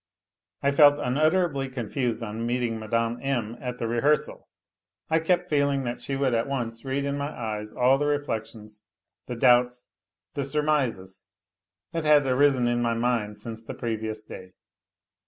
I felt unutterably confused on meeting Mme. M. at the re hearsal. I kept feeling that she would at once read in my eyes all the reflections, the doubts, the surmises, that had arisen in my mind since the previous day.